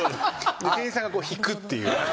店員さんが引くっていう。